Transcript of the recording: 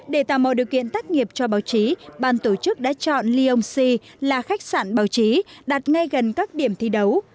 để tạo mọi điều kiện tác nghiệp cho báo chí ban tổ chức đã chọn lyonsi là khách sạn báo chí đặt ngay gần các điểm thi đấu